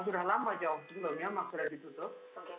sudah lama jauh sebelumnya memang sudah ditutup